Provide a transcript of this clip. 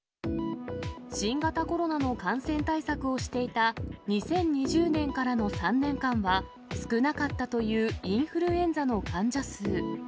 新型コロナの感染対策をしていた２０２０年からの３年間は、少なかったというインフルエンザの患者数。